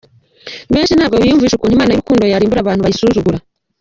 Benshi ntabwo biyumvisha ukuntu "imana y’urukundo" yarimbura abantu bayisuzugura.